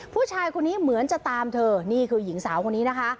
ผู้ชายคนนี้เหมือนจะตามเธอนี่คือหญิงสาวคนนี้นะคะ